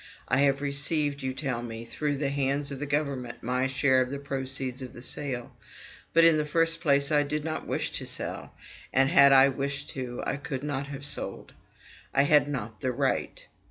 I have received, you tell me, through the hands of the government my share of the proceeds of the sale: but, in the first place, I did not wish to sell; and, had I wished to, I could not have sold. I had not the right.